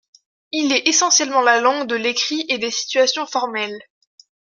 Il est essentiellement la langue de l'écrit et des situations formelles.